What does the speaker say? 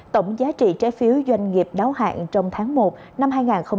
tổng giá trị trái phiếu doanh nghiệp đáo hạn trong tháng một năm hai nghìn hai mươi